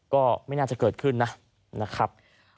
ก็ไม่น่าจะเกิดขึ้นนะครับ